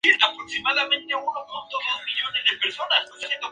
Se conocen ocho personas que sobrevivieron a este transporte.